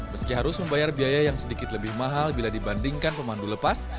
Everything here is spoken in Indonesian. meski harus membayar biaya yang sedikit lebih mahal bila dibandingkan pemandu lepas